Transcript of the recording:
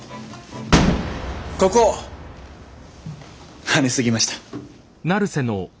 ここはねすぎました。